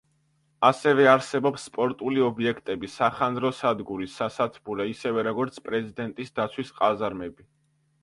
ასევე არსებობს სპორტული ობიექტები, სახანძრო სადგური, სასათბურე, ისევე როგორც პრეზიდენტის დაცვის ყაზარმები.